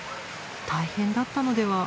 大変だったのでは？